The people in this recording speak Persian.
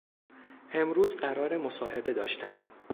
امروز قرار مصاحبه داشتم